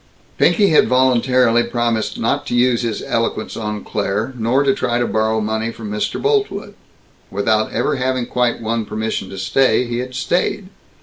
Pinky had voluntarily promised not to use his eloquence on Claire, nor to try to borrow money from Mr. Boltwood. Without ever having quite won permission to stay, he had stayed.